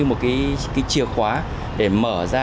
một cái chìa khóa để mở ra